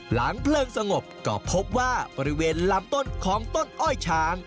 หลังเพลิงสงบก็พบว่าบริเวณลำต้นของต้นอ้อยช้าง